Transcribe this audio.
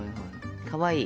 かわいい。